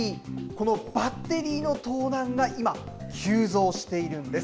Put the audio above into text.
このバッテリーの盗難が今、急増しているんです。